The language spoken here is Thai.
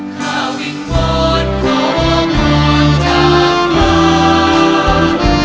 ข้าวิ่งวดขอบพอจากฝาก